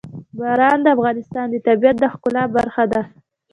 باران د افغانستان د طبیعت د ښکلا برخه ده.